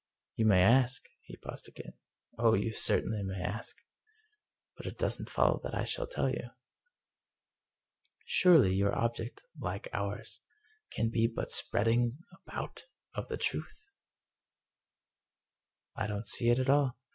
You may ask." He paused again. " Oh, you certainly may ask. But it doesn't follow that I shall tell you." " Surely your object, like ours, can be but the Spreading About of the Truth?" " I don't see it at all.